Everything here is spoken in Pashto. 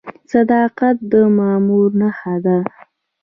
صداقت د مامور نښه ده؟